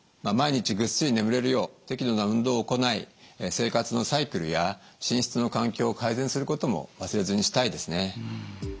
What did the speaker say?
毎日ぐっすり眠れるよう適度な運動を行い生活のサイクルや寝室の環境を改善することも忘れずにしたいですね。